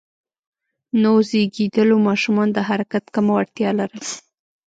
نوو زېږیدليو ماشومان د حرکت کمه وړتیا لرله.